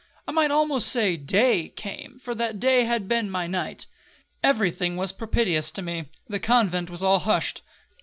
I might almost say day came, for that day had been my night. Every thing was propitious to me,—the convent was all hushed.